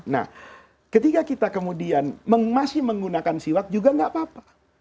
nah ketika kita kemudian masih menggunakan siwak juga nggak apa apa